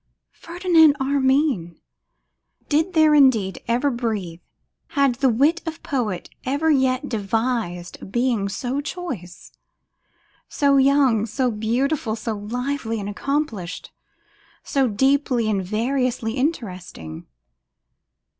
Ferdinand Armine! Did there indeed ever breathe, had the wit of poet ever yet devised, a being so choice? So young, so beautiful, so lively and accomplished, so deeply and variously interesting!